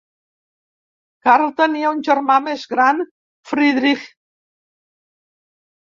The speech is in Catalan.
Karl tenia un germà més gran, Friedrich.